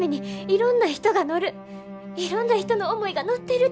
いろんな人の思いが乗ってるて思うねん。